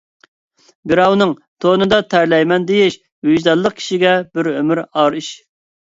بىراۋنىڭ تونىدا تەرلەيمەن دېيىش، ۋىجدانلىق كىشىگە بىر ئۆمۈر ئار ئىش.